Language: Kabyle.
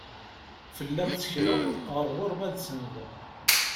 Fell-am ttekleɣ, ɣer ɣur-m ad sendeɣ.